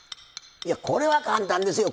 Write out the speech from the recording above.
これは簡単ですよ。